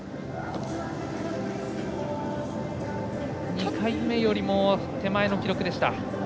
２回目よりも手前の記録でした。